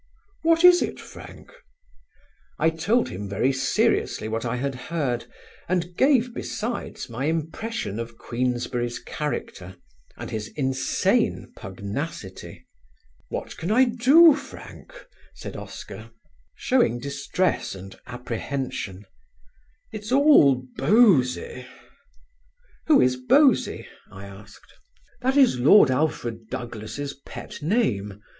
"What is it, Frank?" I told him very seriously what I had heard and gave besides my impression of Queensberry's character, and his insane pugnacity. "What can I do, Frank?" said Oscar, showing distress and apprehension. "It's all Bosie." "Who is Bosie?" I asked. "That is Lord Alfred Douglas' pet name.